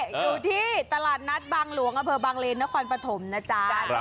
อยู่ที่ตลาดนัฏบางหลวงประเภทบางเลชน์นโคลพธมนะจ๊ะ